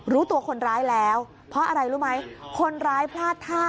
รู้ตัวคนร้ายแล้วเพราะอะไรรู้ไหมคนร้ายพลาดท่า